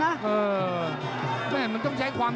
ติดตามยังน้อยกว่า